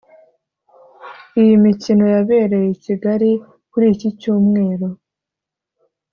Iyi mikino yabereye i Kigali kuri iki Cyumweru